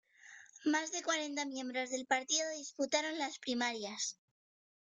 Más de cuarenta miembros del partido disputaron las primarias.